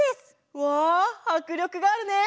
うわはくりょくがあるね！